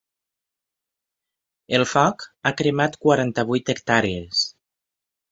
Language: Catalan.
El foc ha cremat quaranta-vuit hectàrees.